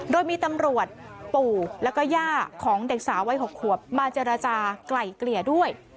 โดยมีตำรวจปู่แล้วก็ย่าของเด็กสาววัย๖ขวบมาเจรจากลายเกลี่ยด้วย